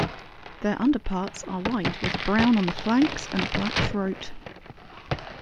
Their underparts are white with brown on the flanks and a black throat.